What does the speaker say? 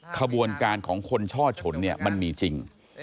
ขบวนการของคนช่อชนมันมีจริง